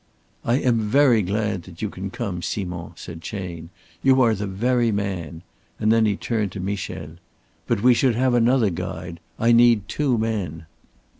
"I am very glad that you can come, Simond," said Chayne. "You are the very man;" and then he turned to Michel. "But we should have another guide. I need two men."